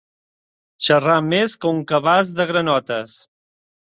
Xarrar més que un cabàs de granotes.